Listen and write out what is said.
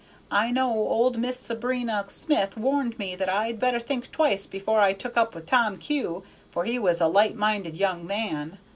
I know old Miss Sabrina Smith warned me that I'd better think twice before I took up with Tom Kew, for he was a light minded young man.